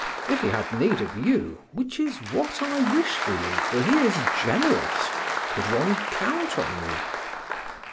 If he had need of you, which is what I wish for you, for he is generous, could one count on you?"